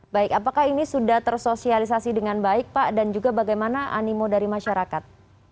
baik apakah ini sudah tersosialisasi dengan baik pak dan juga bagaimana animo dari masyarakat